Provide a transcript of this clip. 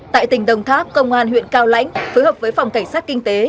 tại tỉnh đồng tháp công an huyện cao lãnh phối hợp với phòng cảnh sát kinh tế